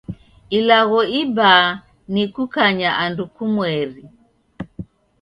Ilagho ibaa ni kukanya andu kumweri.